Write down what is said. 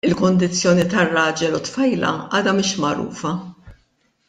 Il-kundizzjoni tar-raġel u t-tfajla għadha mhix magħrufa.